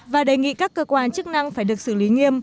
và đề nghị các cơ quan chức năng phải được xử lý nghiêm